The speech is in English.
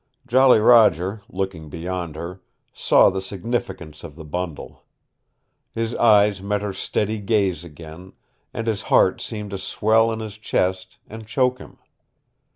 Jolly Roger, looking beyond her, saw the significance of the bundle. His eyes met her steady gaze again, and his heart seemed to swell in his chest, and choke him.